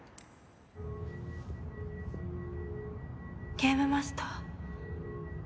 ゲームマスター。